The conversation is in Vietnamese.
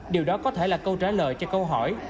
điều đó có thể là câu trả lời cho câu hỏi